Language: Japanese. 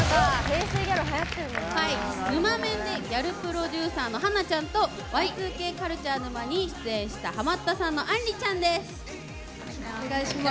ぬまメンでギャルプロデューサーの華ちゃんとＹ２Ｋカルチャー沼に出演したハマったさんのあんりちゃんです。